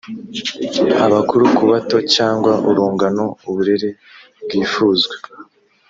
abakuru ku bato cyangwa urungano. uburere bwifuzwa